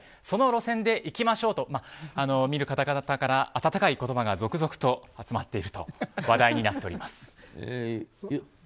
その路線で行きましょうと見る方々から温かい言葉が続々と集まっていると話題になっています。